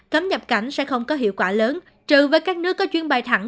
cấm nhập cảnh sẽ không có hiệu quả lớn trừ với các nước có chuyến bay thẳng